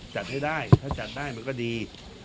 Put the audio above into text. จัดให้ได้ถ้าจัดได้มันก็ดี